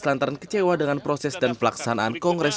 lantaran kecewa dengan proses dan pelaksanaan kongres